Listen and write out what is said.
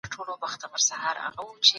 فکر کول د عمل پیل دی.